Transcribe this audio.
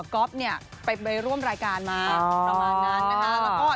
๊อฟเนี่ยไปร่วมรายการมาประมาณนั้นนะคะ